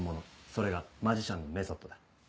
それがマジシャンのメソッドだ。